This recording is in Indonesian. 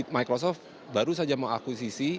microsoft baru saja mengakuisisi